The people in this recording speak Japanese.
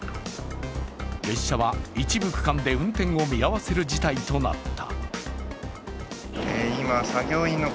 列車は一部区間で運転を見合わせる事態となった。